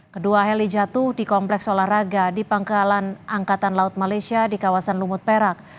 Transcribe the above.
kedua heli jatuh di kompleks olahraga di pangkalan angkatan laut malaysia di kawasan lumut perak